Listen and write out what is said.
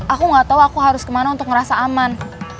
aku gak tau aku harus kemana untuk ngerasa aman